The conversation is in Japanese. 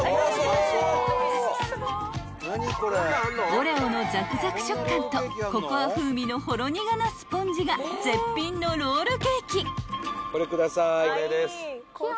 ［オレオのザクザク食感とココア風味のほろ苦なスポンジが絶品のロールケーキ］